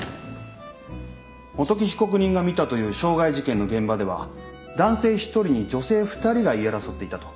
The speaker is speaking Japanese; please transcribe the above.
元木被告人が見たという傷害事件の現場では男性１人に女性２人が言い争っていたと。